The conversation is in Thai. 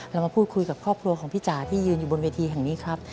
เรามาพูดคุยกับครอบครัวของพี่จ๋าที่ยืนอยู่บนเวทีแห่งนี้ครับ